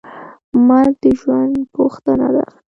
مرګ د ژوند پوښتنه ده.